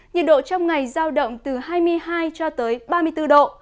nhiệt độ trong ngày giao động từ hai mươi hai cho tới ba mươi bốn độ